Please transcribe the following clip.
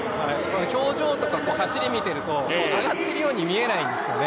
表情とか走りを見ていると上がっているように見えないんですよね。